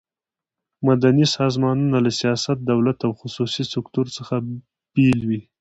مدني سازمانونه له سیاست، دولت او خصوصي سکټور څخه بیل وي.